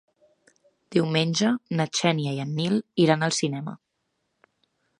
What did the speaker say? Diumenge na Xènia i en Nil iran al cinema.